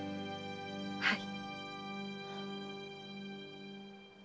はい！